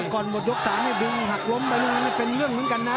ก่อนหมดยก๓ให้บิงหักล้มไปดูงังไม่เป็นอย่างเหมือนกันนะ